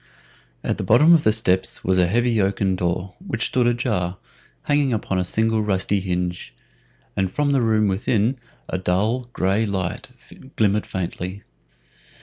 At the bottom of the steps was a heavy oaken door, which stood ajar, hanging upon a single rusty hinge, and from the room within a dull, gray light glimmered faintly.